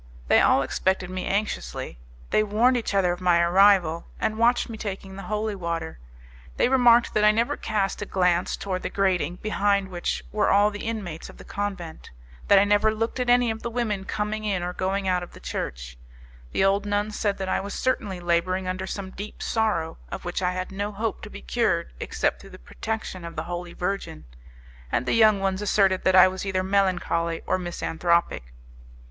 They all expected me anxiously; they warned each other of my arrival, and watched me taking the holy water. They remarked that I never cast a glance toward the grating, behind which were all the inmates of the convent; that I never looked at any of the women coming in or going out of the church. The old nuns said that I was certainly labouring under some deep sorrow, of which I had no hope to be cured except through the protection of the Holy Virgin, and the young ones asserted that I was either melancholy or misanthropic.